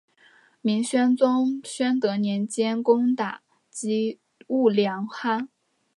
明宣宗宣德年间攻打击兀良哈。